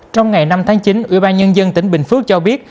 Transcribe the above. trong ngày năm tháng chín ủy ban nhân dân tỉnh bình phước cho biết